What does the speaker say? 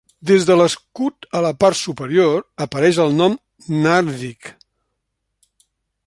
Dins de l'escut a la part superior apareix el nom Narvik.